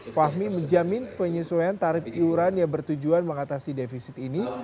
fahmi menjamin penyesuaian tarif iuran yang bertujuan mengatasi defisit ini